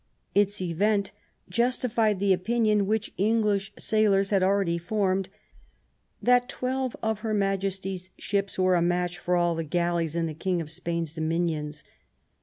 Its event justified the opinion, which English sailors had already formed, that twelve of Her Majesty's ships were a match for all the galleys in the King of Spain's dominions